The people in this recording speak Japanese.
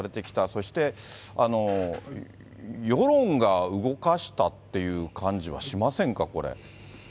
そして世論が動かしたっていう感じはしませんか、これ。